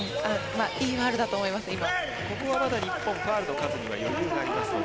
ここはまだ日本ファウルに余裕があるので